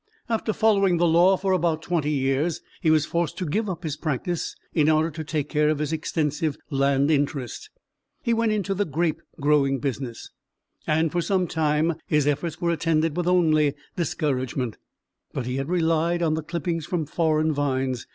After following the law for about twenty years he was forced to give up his practice in order to take care of his extensive land interest. He went into the grape growing business, and for some time his efforts were attended with only discouragement, but he had relied on the clippings from foreign vines.